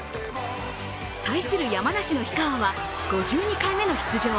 対する山梨の日川は５２回目の出場。